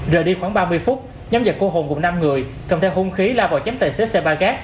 rời đi khoảng ba mươi phút nhóm giật cô hồn gồm năm người cầm theo hung khí la vào chém tài xế xe ba gác